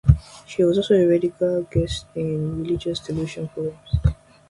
She was also a regular guest on religious television programs.